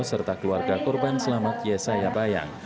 serta keluarga korban selamat yesaya bayang